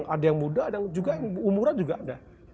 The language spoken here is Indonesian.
ada yang muda dan juga umuran juga ada